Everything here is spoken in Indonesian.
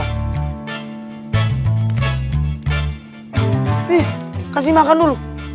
nih kasih makan dulu